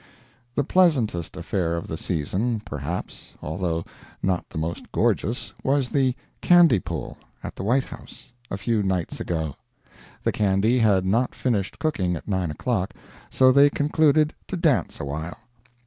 The pleasantest affair of the season, perhaps, although not the most gorgeous, was the "candy pull" at the White House, a few nights ago. The candy had not finished cooking at nine o'clock, so they concluded to dance awhile.